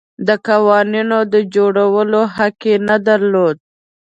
د قوانینو د جوړولو حق یې نه درلود.